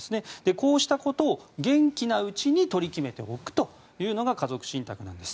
こうしたことを元気なうちに取り決めておくというのが家族信託なんです。